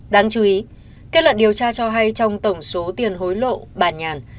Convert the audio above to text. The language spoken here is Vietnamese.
đáng chú ý kết luận điều tra cho hay trong tổng số tiền hối lộ bà nhàn